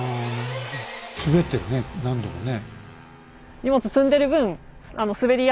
滑ってるね何度もね。